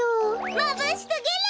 まぶしすぎる！